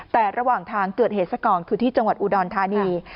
แต่ระหว่างทางเกิดเหตุซะก่อนคือที่จังหวัดอุดรธานี